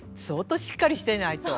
当しっかりしていないと。